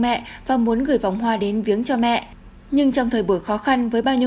mẹ và muốn gửi vòng hoa đến viếng cho mẹ nhưng trong thời buổi khó khăn với bao nhiêu